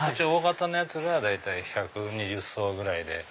大型のやつが大体１２０層ぐらいで。